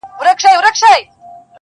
ځان کي مهوه سمه کله چي ځان وینم,